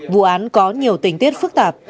vụ án có nhiều tình tiết phức tạp